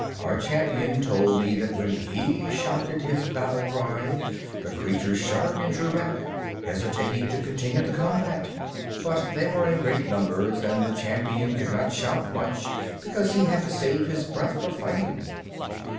"Our Champion told me that when he shouted his battle cry the creatures shuddered and drew back, hesitating to continue the combat. But they were in great numbers, and the Champion could not shout much because he had to save his breath for fighting."